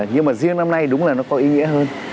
nhưng mà riêng năm nay đúng là nó có ý nghĩa hơn